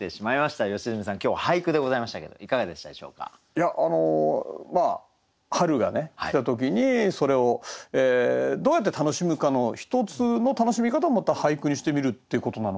いや春がね来た時にそれをどうやって楽しむかの１つの楽しみ方をまた俳句にしてみるっていうことなのかなと思って。